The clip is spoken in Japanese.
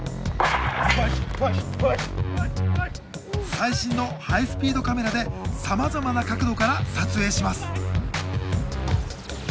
最新のハイスピードカメラでさまざまな角度から撮影します。